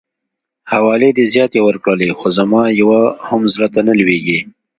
حوالې دي زياتې ورکړلې خو زما يوه هم زړه ته نه لويږي.